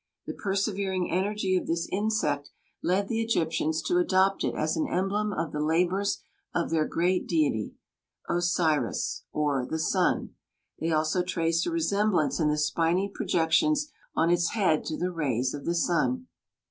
The persevering energy of this insect led the Egyptians to adopt it as an emblem of the labours of their great deity, Osiris, or the sun; they also traced a resemblance in the spiny projections on its head to the rays of the sun.